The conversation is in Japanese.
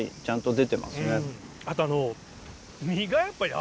あとあの。